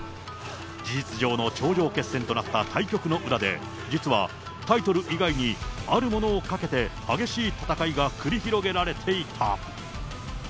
事実上の頂上決戦となった対局の裏で、実はタイトル以外に、あるものをかけて、激しい戦いが繰り広げられていた。